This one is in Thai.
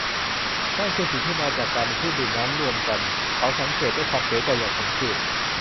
นั่นคือสิ่งที่มาจากการเป็นผู้ดื่มน้ำรวมกัน เขาสังเกตด้วยความเสียใจอย่างขมขื่น